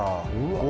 お！